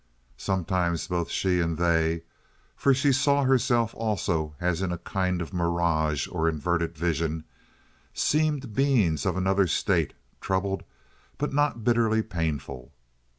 Sometimes both she and they (for she saw herself also as in a kind of mirage or inverted vision) seemed beings of another state, troubled, but not bitterly painful.